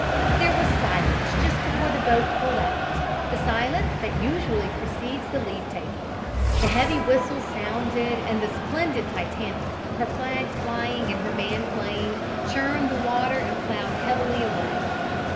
There was silence just before the boat pulled out the silence that usually precedes the leave taking. The heavy whistles sounded and the splendid Titanic, her flags flying and her band playing, churned the water and plowed heavily away.